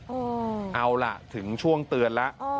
อืมเอาล่ะถึงช่วงเตือนละอืม